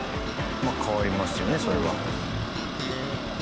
まあ変わりますよねそれは。